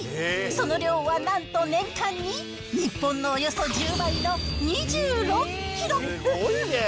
その量はなんと年間に日本のおよそ１０倍の２６キロ。